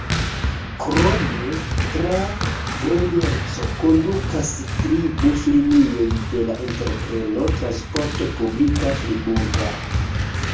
Krome tra Grejerco kondukas tri buslinioj de la entrepreno Transporto Publika Friburga.